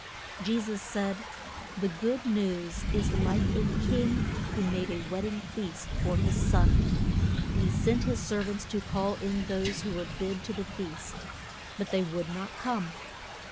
Je sus said, The good news is like a king who made a wed ding feast for his son. And he sent his ser vants to call in those who were bid to the feast. But they would not come.